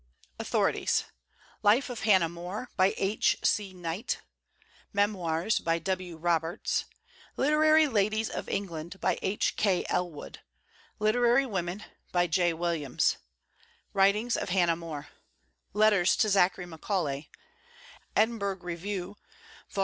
AUTHORITIES Life of Hannah More, by H.C. Knight; Memoirs, by W. Roberts; Literary Ladies of England, by H.K. Elwood; Literary Women, by J. Williams; Writings of Hannah More; Letters to Zachary Macaulay; Edinburgh Review, vol.